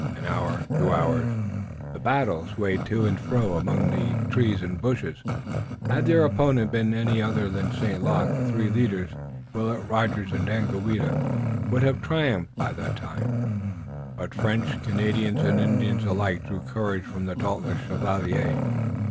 An hour, two hours, the battle swayed to and fro among the trees and bushes. Had their opponent been any other than St. Luc the three leaders, Willet, Rogers and Daganoweda, would have triumphed by that time, but French, Canadians and Indians alike drew courage from the dauntless Chevalier.